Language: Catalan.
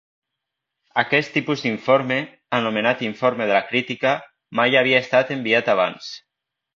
Aquest tipus d'informe, anomenat informe de la crítica, mai havia estat enviat abans.